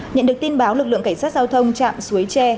nhận được tin báo lực lượng cảnh sát giao thông chạm suối tre